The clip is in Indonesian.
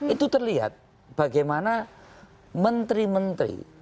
itu terlihat bagaimana menteri menteri